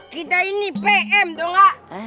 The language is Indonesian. kita ini pm tau gak